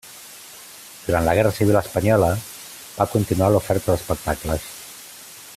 Durant la Guerra Civil espanyola va continuar l'oferta d'espectacles.